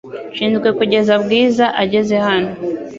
Nshinzwe kugeza Bwiza ageze hano .